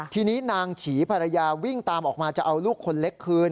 ทีนี้นางฉีภรรยาวิ่งตามออกมาจะเอาลูกคนเล็กคืน